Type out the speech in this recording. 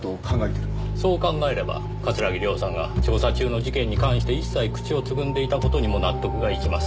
そう考えれば桂木涼さんが調査中の事件に関して一切口をつぐんでいた事にも納得がいきます。